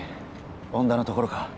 恩田のところか？